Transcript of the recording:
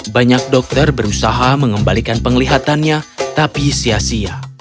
banyak dokter berusaha mengembalikan penglihatannya tapi sia sia